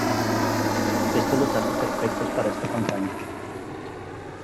Esto los hace perfectos para esta campaña.